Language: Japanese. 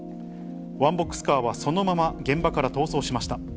ワンボックスカーはそのまま現場から逃走しました。